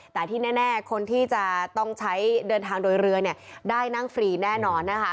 แต่ที่แน่คนที่จะต้องใช้เดินทางโดยเรือเนี่ยได้นั่งฟรีแน่นอนนะคะ